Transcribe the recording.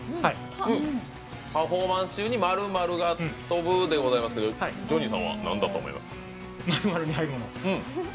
パフォーマンス中に○○が飛ぶでございますけどジョニーさんはなんだと思いますか？